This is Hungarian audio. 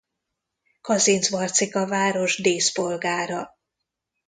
Kazincbarcika Város Díszpolgára.